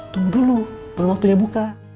tunggu dulu waktunya buka